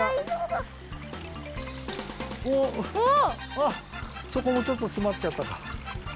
あそこもちょっとつまっちゃったか。